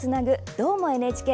「どーも、ＮＨＫ」